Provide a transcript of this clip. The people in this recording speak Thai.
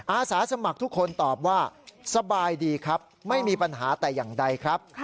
อาสาสมัครทุกคนตอบว่าสบายดีครับไม่มีปัญหาแต่อย่างใดครับ